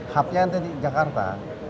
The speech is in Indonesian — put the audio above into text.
haknya nanti di jakarta